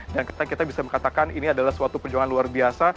dan kita bisa mengatakan ini adalah suatu perjuangan luar biasa